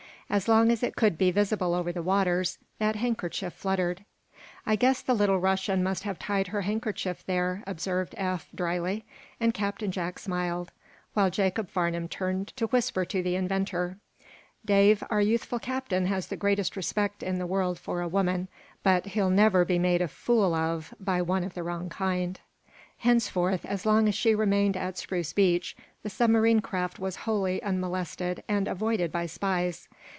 As long as it could be visible over the waters that handkerchief fluttered. "I guess the little Russian must have tied her handkerchief there," observed Eph, dryly, and Captain Jack smiled; while Jacob Farnum turned to whisper to the inventor: "Dave, our youthful captain has the greatest respect in the world for a woman, but he'll never be made a fool of by one of the wrong kind." Henceforth, as long as she remained at Spruce Beach, the submarine craft was wholly unmolested and avoided by spies.